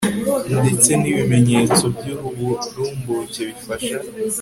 ndetse n ibimenyetso by uburumbuke bifasha